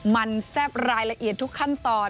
มันแซ่บรายละเอียดทุกขั้นตอน